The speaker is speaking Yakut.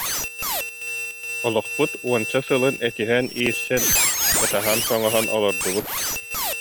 Олохпут уонча сылын этиһэн-иирсэн, ытаһан-соҥоһон олордубут